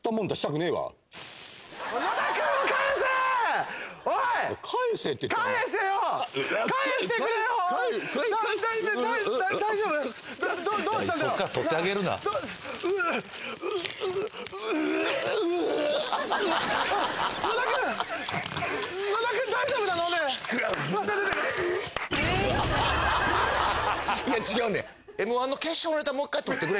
ねえいや違うねん